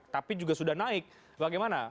tapi juga sudah naik bagaimana